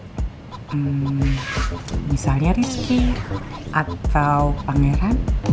misalnya rizky atau pangeran